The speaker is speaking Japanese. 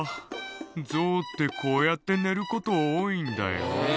「ゾウってこうやって寝ること多いんだよ」